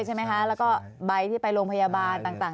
ใช่มั้ยคะและก็ไบด์ที่ไปโรงพยาบาลต่าง